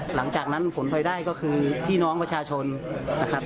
หลังจากนั้นผลพลอยได้ก็คือพี่น้องประชาชนนะครับ